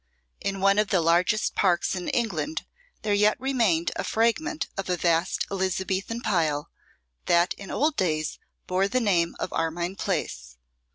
In one of the largest parks in England there yet remained a fragment of a vast Elizabethan pile, that in old days bore the name of Armine Place.